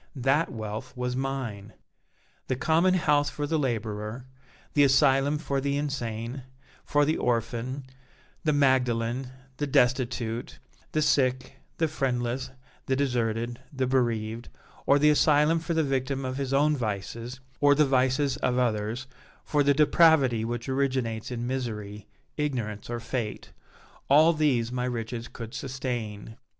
That wealth was mine! The common house for the laborer, the asylum for the insane, for the orphan, the Magdalen, the destitute, the sick, the friendless, the deserted, the bereaved, or the asylum for the victim of his own vices, or the vices of others, for the depravity which originates in misery, ignorance or fate all these my riches could sustain.